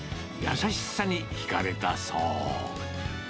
優しさに引かれたそう。